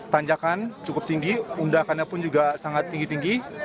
tanjakan cukup tinggi undakannya pun juga sangat tinggi tinggi